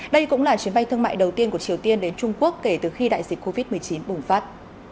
đây cũng là chuyến bay thương mại đầu tiên của triều tiên đến trung quốc kể từ khi đại dịch covid một mươi chín bùng phát